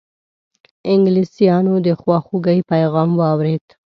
انګلیسیانو د خواخوږی پیغام واورېد.